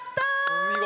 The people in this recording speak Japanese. お見事！